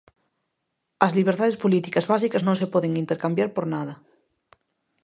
As liberdades políticas básicas non se poden intercambiar por nada.